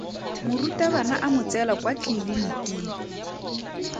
Morutabana a mo tseela kwa tleliniking.